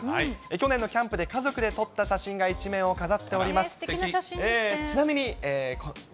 去年のキャンプで家族で撮った写真が１面を飾っております。